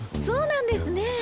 そうなんですね。